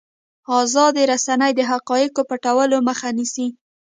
ازادې رسنۍ د حقایقو پټولو مخه نیسي.